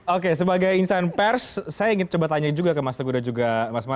oke sebagai insan pers saya ingin coba tanya juga ke mas tegura juga